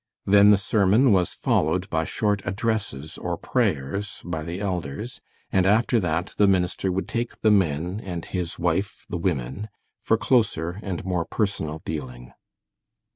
Then the sermon was followed by short addresses or prayers by the elders, and after that the minister would take the men, and his wife the women, for closer and more personal dealing.